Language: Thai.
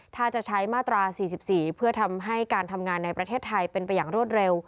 ถ้าจะใช้มาตรา๔๔เพื่อทำให้การทำงานในประเทศไทยเป็นไปอย่างรวดเร็ว